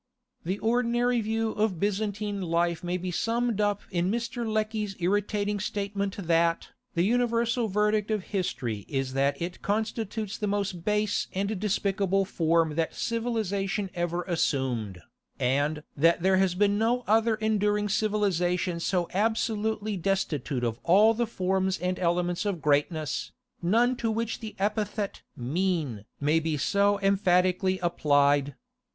The ordinary view of Byzantine life may be summed up in Mr. Lecky's irritating statement(18) that "the universal verdict of history is that it constitutes the most base and despicable form that civilization ever assumed, and that there has been no other enduring civilization so absolutely destitute of all the forms and elements of greatness, none to which the epithet mean may be so emphatically applied.